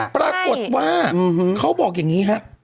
ปรากฏว่าเขาบอกอย่างนี้ครับ